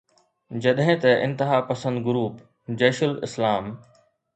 جڏهن ته انتهاپسند گروپ جيش الاسلام